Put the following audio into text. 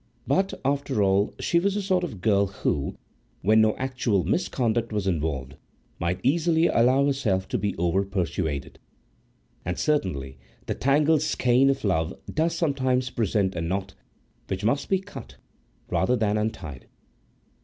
But, after all, she was the sort of girl who, where no actual misconduct was involved, might easily allow herself to be over persuaded. And certainly the tangled skein of love does sometimes present a knot which must be cut rather than untied.